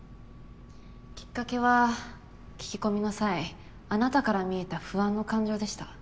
きっかけは聞き込みの際あなたから見えた「不安」の感情でした。